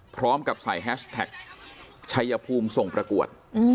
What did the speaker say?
พร้อมกับใส่แฮชแท็กชัยภูมิส่งประกวด